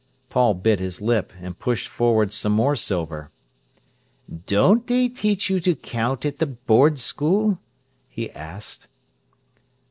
Paul bit his lip, and pushed forward some more silver. "Don't they teach you to count at the Board school?" he asked.